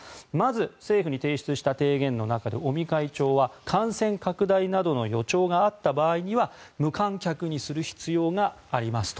政府に提出した提言の中で尾身会長は感染拡大などの予兆があった場合には無観客にする必要があると。